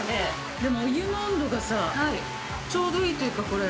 でもお湯の温度がさちょうどいいというかこれ。